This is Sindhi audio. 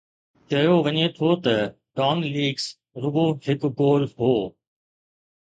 چيو وڃي ٿو ته ”ڊان ليڪس“ رڳو هڪ گول هو.